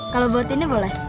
kalo buat ini boleh